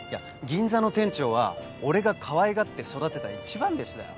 銀座の店長は俺がかわいがって育てた一番弟子だよ。